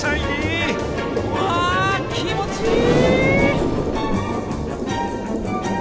わあ気持ちいい！